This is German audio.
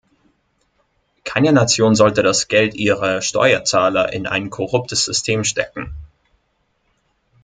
Keine Nation sollte das Geld ihrer Steuerzahler in ein korruptes System stecken.